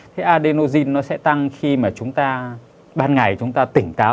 thì adenosine nó sẽ tăng khi mà chúng ta ban ngày chúng ta tỉnh táo